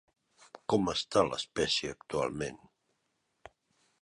Com està l'espècie actualment?